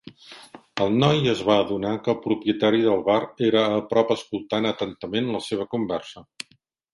El noi es va adonar que el propietari del bar era a prop escoltant atentament la seva conversa.